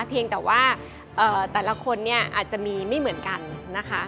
เพียงแต่ว่าแต่ละคนเนี่ยอาจจะมีไม่เหมือนกันนะคะ